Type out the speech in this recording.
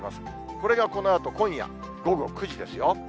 これがこのあと、今夜午後９時ですよ。